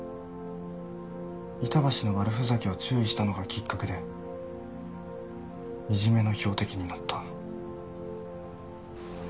板橋の悪ふざけを注意したのがきっかけでいじめの標的になった。